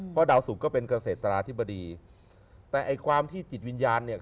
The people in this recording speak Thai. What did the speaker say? เพราะดาวสุกก็เป็นเกษตราธิบดีแต่ไอ้ความที่จิตวิญญาณเนี่ย